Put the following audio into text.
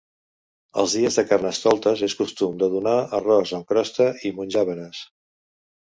Els dies de Carnestoltes és costum de donar arròs amb crosta i monjàvenes.